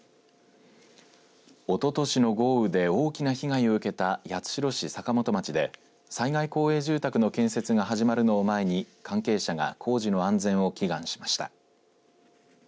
おととしの豪雨で大きな被害を受けた八代市坂本町で災害公営住宅の建設が始まるのを前に関係者が工事の安全を祈願しました。